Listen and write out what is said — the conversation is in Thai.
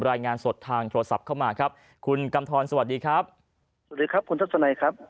รายงานสดทางโทรศัพท์เข้ามาครับคุณกำทรสวัสดีครับสวัสดีครับคุณทัศนัยครับ